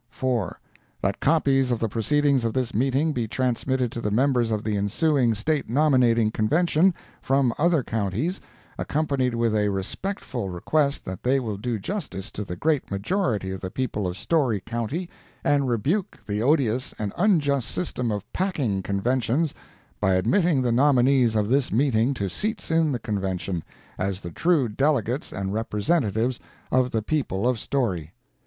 4. That copies of the proceedings of this meeting be transmitted to the members of the ensuing State Nominating Convention, from other counties, accompanied with a respectful request that they will do justice to the great majority of the people of Storey county, and rebuke the odious and unjust system of "packing" conventions by admitting the nominees of this meeting to seats in the Convention, as the true delegates and representatives of the people of Storey.